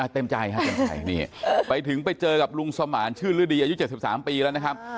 เต็มใจนี่ไปถึงไปเจอกับลุงสมารชื่อฤดีอายุ๗๓ปีแล้วนะครับ